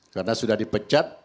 karena sudah dipecat